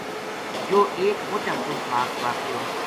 یوہ ایک مُچ افسوس ناک واقعو